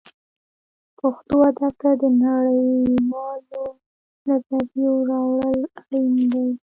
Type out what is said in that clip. پښتو ادب ته د نړۍ والو نظریو راوړل اړین دي